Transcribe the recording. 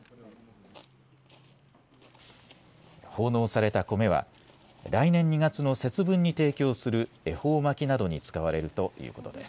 奉納されたコメは来年２月の節分に提供する恵方巻きなどに使われるということです。